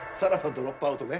ドロップアウト」ね。